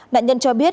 nạn nhân cho biết